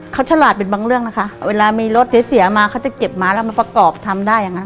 เขาฉลาดเป็นบางเรื่องนะคะเวลามีรถเสียเสียมาเขาจะเก็บมาแล้วมาประกอบทำได้อย่างนั้น